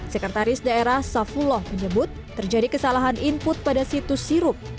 sekretaris daerah safullah menyebut terjadi kesalahan input pada situs sirup